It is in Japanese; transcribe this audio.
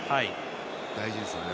大事ですね。